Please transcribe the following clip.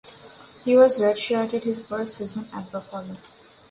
He was redshirted his first season at Buffalo.